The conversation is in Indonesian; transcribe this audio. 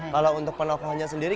kalau untuk penokohannya sendiri